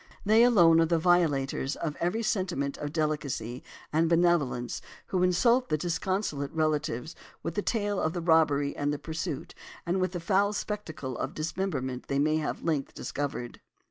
They alone are the violators of every sentiment of delicacy and benevolence who insult the disconsolate relatives with the tale of the robbery and the pursuit, and with the foul spectacle of dismemberment they may have at length discovered."